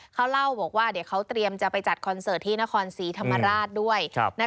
เขาเล่าบอกว่าเดี๋ยวเขาเตรียมจะไปจัดคอนเสิร์ตที่นครศรีธรรมราชด้วย